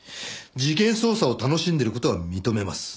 事件捜査を楽しんでる事は認めます。